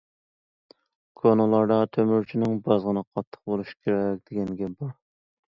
كونىلاردا:‹‹ تۆمۈرچىنىڭ بازغىنى قاتتىق بولۇشى كېرەك›› دېگەن گەپ بار.